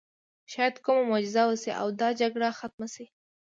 شاید کومه معجزه وشي او دا جګړه ختمه شي